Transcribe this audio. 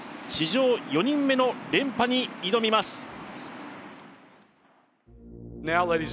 史上４人目の連覇に挑みます。